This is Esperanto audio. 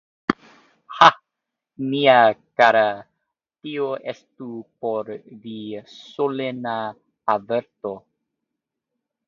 Ha, mia kara, tio estu por vi solena averto.